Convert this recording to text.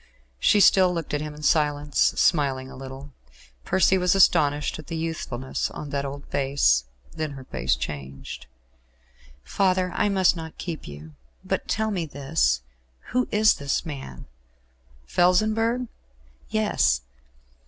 She still looked at him in silence, smiling a little. Percy was astonished at the youthfulness of that old face. Then her face changed. "Father, I must not keep you; but tell me this Who is this man?" "Felsenburgh?" "Yes."